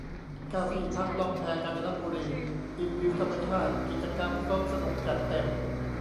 เก้า ที่พักล่องแพกาญจนบุรี อิ่มวิวธรรมชาติ กิจกรรมครบสนุกจัดเต็ม